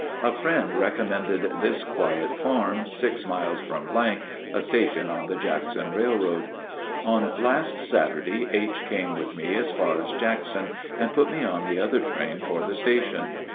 A friend recommended this quiet farm, six miles from [a station on the Jackson Railroad]. On last Saturday H. came with me as far as Jackson and put me on the other train for the station.